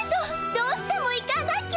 どうしても行かなきゃ！